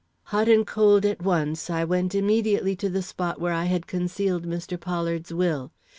Hot and cold at once, I went immediately to the spot where I had concealed Mr. Pollard's will.